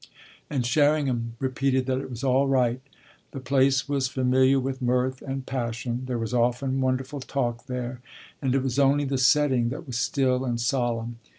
And Sherringham repeated that it was all right the place was familiar with mirth and passion, there was often wonderful talk there, and it was only the setting that was still and solemn.